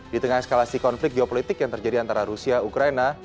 di tengah eskalasi konflik geopolitik yang terjadi antara rusia ukraina